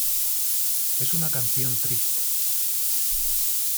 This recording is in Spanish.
Es una canción triste".